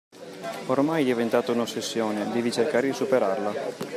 Ormai è diventata un'ossessione, devi cercare di superarla!